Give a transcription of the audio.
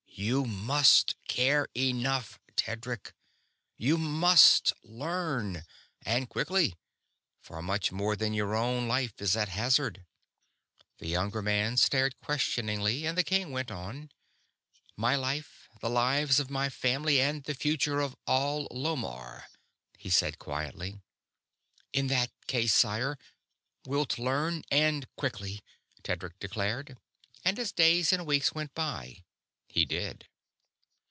You must care enough, Tedric. You must learn, and quickly; for much more than your own life is at hazard." The younger man stared questioningly and the king went on: "My life, the lives of my family, and the future of all Lomarr," he said quietly. "In that case, sire, wilt learn, and quickly," Tedric declared; and, as days and weeks went by, he did.